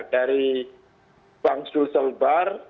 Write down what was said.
dari bank sulselbar